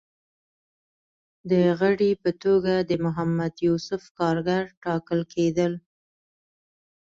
د غړي په توګه د محمد یوسف کارګر ټاکل کېدل